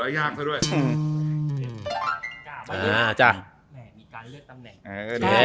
มีการเลือกตำแหน่ง